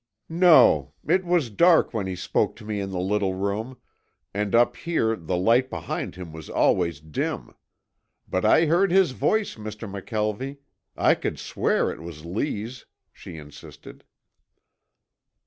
"No. It was dark when he spoke to me in the little room, and up here the light behind him was always dim. But I heard his voice, Mr. McKelvie. I could swear it was Lee's," she insisted.